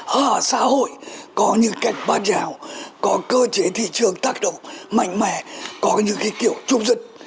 họ xã hội có những cách bán giáo có cơ chế thị trường tác động mạnh mẽ có những kiểu trung dân